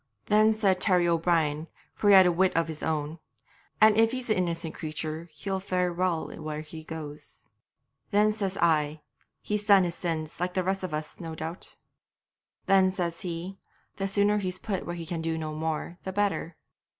'Then said Terry O'Brien, for he had a wit of his own, "And if he's an innocent creature he'll fare well where he goes." 'Then said I, "He's done his sins, like the rest of us, no doubt." 'Then says he, "The sooner he's put where he can do no more the better."